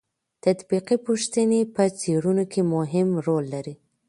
تطبیقي پوښتنې په څېړنو کې مهم رول لري.